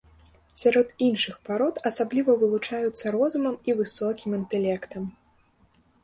Сярод іншых парод асабліва вылучаюцца розумам і высокім інтэлектам.